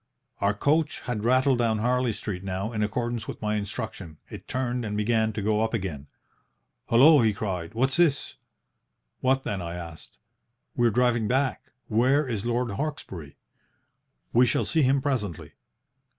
"Our coach had rattled down Harley Street now, in accordance with my instruction, it turned and began to go up again. "'Hullo!' he cried. 'What's this?' "'What then? 'I asked. "'We are driving back. Where is Lord Hawkesbury?' "'We shall see him presently.'